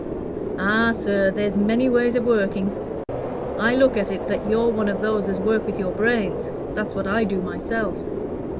"Ah, sir, there's many ways of working. I look at it you're one of those as work with your brains. That's what I do myself."